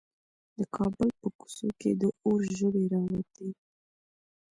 د کابل په کوڅو کې د اور ژبې راووتې.